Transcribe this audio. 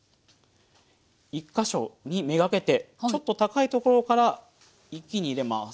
一か所にめがけてちょっと高いところから一気に入れます。